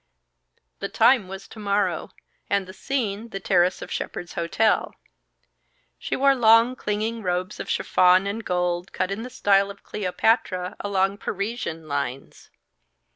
The time was to morrow, and the scene the terrace of Shepherd's Hotel. She wore long, clinging robes of chiffon and gold cut in the style of Cleopatra along Parisian lines.